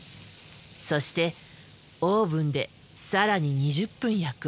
そしてオーブンで更に２０分焼く。